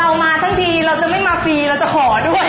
มาทั้งทีเราจะไม่มาฟรีเราจะขอด้วย